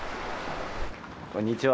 こんにちは。